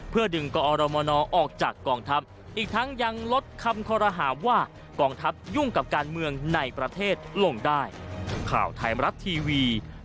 เพื่อดึงกอรมนออกจากกองทัพอีกทั้งยังลดคำคอรหาว่ากองทัพยุ่งกับการเมืองในประเทศลงได้